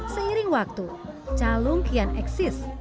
seiring waktu calung kian eksis